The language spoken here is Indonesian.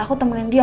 aku temenin dia